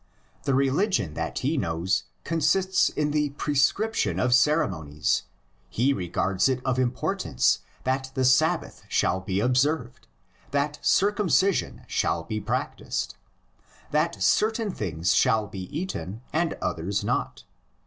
The religion that he knows consists in the prescription of ceremonies; he regards it of importance that the Sabbath shall be observed, that circumcision shall be practised, that certain things shall be eaten and others not.